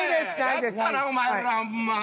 やったなお前らホンマ！